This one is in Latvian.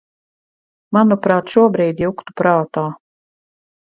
Manuprāt, šobrīd juktu prātā.